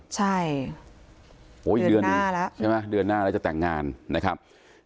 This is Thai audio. ใช่เดือนหน้าแล้วเดือนหน้าแล้วจะแต่งงานนะครับ